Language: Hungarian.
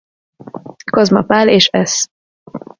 Kozma Pál és Sz.